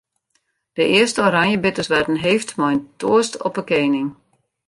De earste oranjebitters waarden heefd mei in toast op 'e kening.